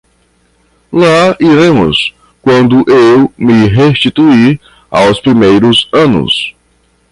lá iremos quando eu me restituir aos primeiros anos